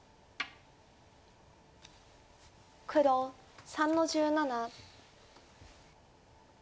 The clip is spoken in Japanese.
黒３の十七。